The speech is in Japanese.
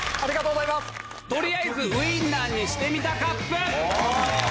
とりあえずウインナーにしてみたＣＵＰ！